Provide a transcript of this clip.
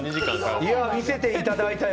いや、見せていただいたよ。